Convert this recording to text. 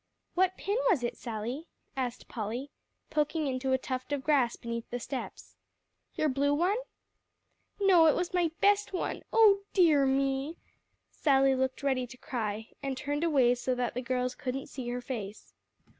"What pin was it, Sally?" asked Polly, poking into a tuft of grass beneath the steps, "your blue one?" "No; it was my best one oh dear me!" Sally looked ready to cry, and turned away so that the girls couldn't see her face.